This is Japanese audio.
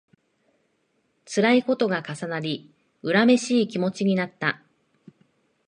つらいことが重なり、恨めしい気持ちになった